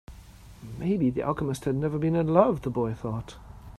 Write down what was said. Maybe the alchemist has never been in love, the boy thought.